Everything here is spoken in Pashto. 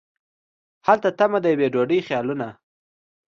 هلته تمه د یوې ډوډۍ خیالونه